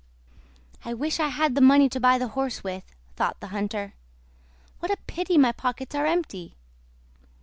"I wish I had the money to buy the horse with," thought the hunter; "what a pity my pockets are empty!